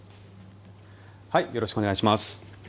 よろしくお願いします。